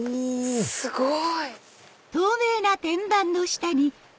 すごい！